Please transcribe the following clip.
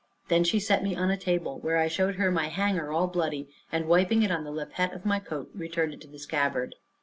Then she set me on a table, where I showed her my hanger all bloody, and wiping it on the lappet of my coat returned it to the scabbard.